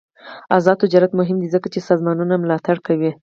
آزاد تجارت مهم دی ځکه چې سازمانونه ملاتړ کوي.